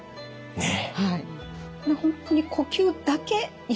ねえ。